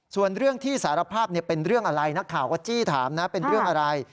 ส่วนเรื่องที่สารภาพเป็นเรื่องอะไรนักข่าวก็จี้ถามนะเป็นเรื่องอะไร